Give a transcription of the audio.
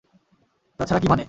তাছাড়া কি মানে?